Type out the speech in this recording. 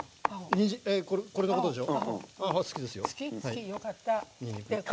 これのことでしょ？